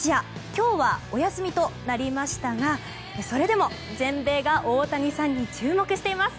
今日はお休みとなりましたがそれでも全米が大谷さんに注目しています。